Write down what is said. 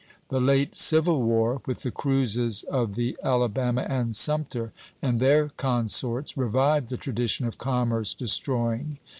The late Civil War, with the cruises of the "Alabama" and "Sumter" and their consorts, revived the tradition of commerce destroying.